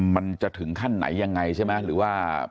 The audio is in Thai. มันจะถึงขั้นไหนยังไงใช่ไหมหรือว่า